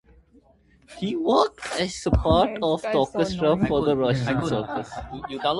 He has worked as part of the orchestra for Russian circus.